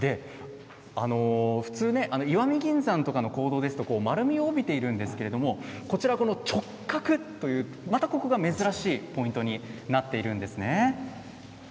普通は石見銀山とかの坑道ですと丸みを帯びているんですけれどこちらは、直角またここが珍しいポイントになっているんですね。